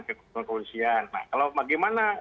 kepolisian nah kalau bagaimana